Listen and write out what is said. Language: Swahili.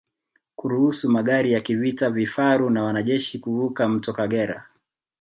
Kuruhusu magari ya kivita vifaru na wanajeshi kuvuka mto Kagera